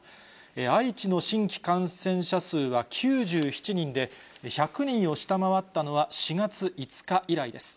愛知の新規感染者数は９７人で、１００人を下回ったのは４月５日以来です。